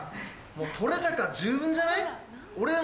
もう撮れ高十分じゃない？